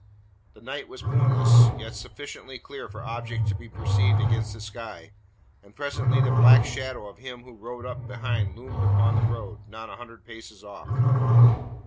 The night was moonless, yet sufficiently clear for objects to be perceived against the sky, and presently the black shadow of him who rode behind loomed up upon the road, not a hundred paces off.